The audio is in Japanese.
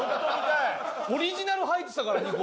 オリジナル入ってたから２個。